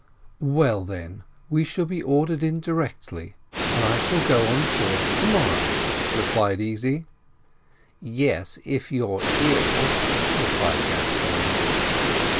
"Well, then, we shall be ordered in directly, and I shall go on shore to morrow," replied Easy. "Yes, if you're ill," replied Gascoigne.